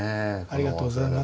ありがとうございます。